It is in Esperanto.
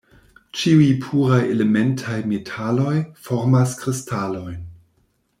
Ĉiuj puraj elementaj metaloj formas kristalojn.